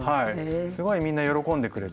すごいみんな喜んでくれて。